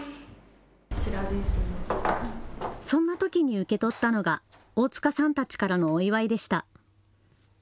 そんなときに受け取ったのが大塚さんたちからのお祝いでした。